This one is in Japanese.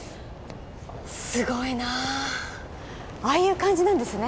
すごいなああいう感じなんですね